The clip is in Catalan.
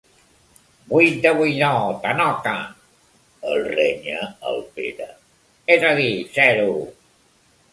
Buit de buidor, tanoca —el renya el Pere—, és a dir, zero.